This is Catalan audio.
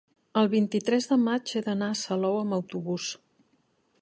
el vint-i-tres de maig he d'anar a Salou amb autobús.